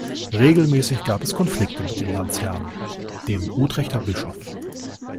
Regelmäßig gab es Konflikte mit dem Landesherrn, dem Utrechter Bischof.